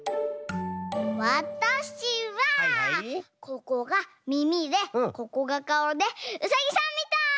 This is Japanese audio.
ここがみみでここがかおでうさぎさんみたい！